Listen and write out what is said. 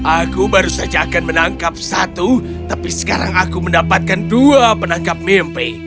aku baru saja akan menangkap satu tapi sekarang aku mendapatkan dua penangkap mimpi